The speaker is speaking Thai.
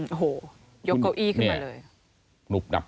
โอ้โหยกเก้าอี้ขึ้นมาเลย